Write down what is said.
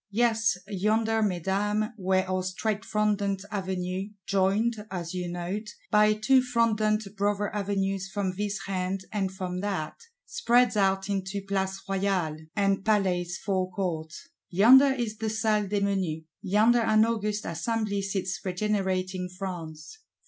Yes, yonder, Mesdames, where our straight frondent Avenue, joined, as you note, by Two frondent brother Avenues from this hand and from that, spreads out into Place Royale and Palace Forecourt; yonder is the Salle des Menus. Yonder an august Assembly sits regenerating France.